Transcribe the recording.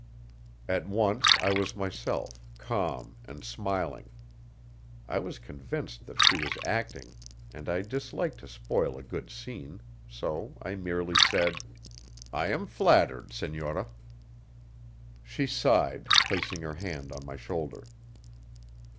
At once I was myself, calm and smiling. I was convinced that she was acting, and I dislike to spoil a good scene. So I merely said: "I am flattered, senora." She sighed, placing her hand on my shoulder.